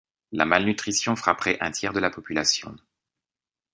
La malnutrition frapperait un tiers de la population.